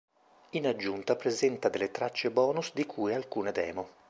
In aggiunta presenta delle tracce bonus di cui alcune demo.